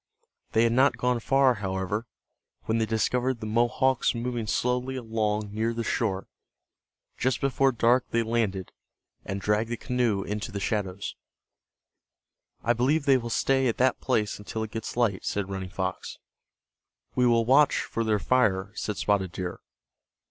They had not gone far, however, when they discovered the Mohawks moving slowly along near the shore. Just before dark they landed, and dragged the canoe into the shadows. "I believe they will stay at that place until it gets light," said Running Fox. "We will watch for their fire," said Spotted Deer.